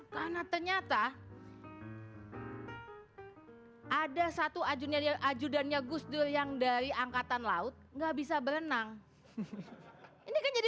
karena ternyata ada satu ajudannya gus dur yang dari angkatan laut nggak bisa berenang ini kan jadi